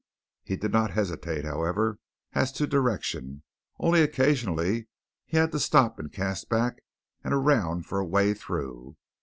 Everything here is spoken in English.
He did not hesitate, however, as to direction; only occasionally he had to stop and cast back and around for a way through.